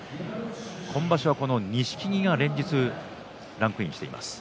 今場所は錦木が連日ランクインしています。